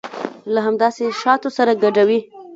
له همداسې شاتو سره ګډوي.